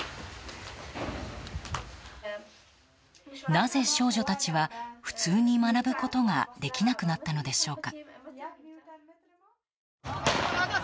なぜ、少女たちは普通に学ぶことができなくなったのでしょうか。